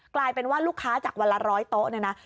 กลายเป็นว่าลูกค้าจากวันละ๑๐๐โต๊ะเนี่ยนะ